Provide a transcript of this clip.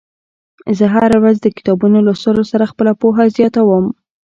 زه هره ورځ د کتابونو لوستلو سره خپله پوهه زياتوم.